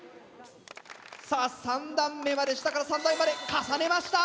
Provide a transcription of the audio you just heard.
さぁ３段目まで下から３段目まで重ねました。